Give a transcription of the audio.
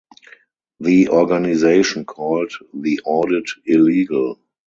The organisation called the audit illegal.